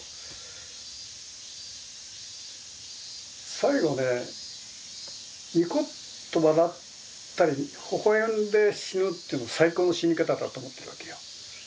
最期ねニコッと笑ったりほほ笑んで死ぬっていうの最高の死に方だと思ってるわけよ。